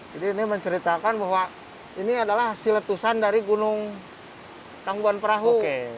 jadi ini menceritakan bahwa ini adalah hasil letusan dari gunung tangguan perahu